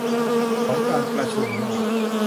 ของการประชุมว่า